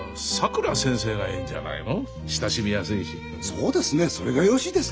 そうですねそれがよろしいですね。